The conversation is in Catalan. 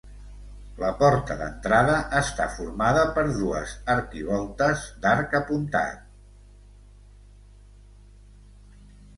La porta d'entrada està formada per dues arquivoltes d'arc apuntat.